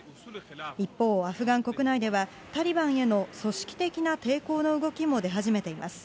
一方、アフガン国内では、タリバンへの組織的な抵抗の動きも出始めています。